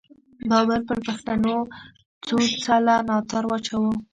بابر پر پښتنو څو څله ناتار واچاوو.